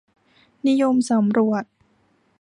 นิยมสำรวจ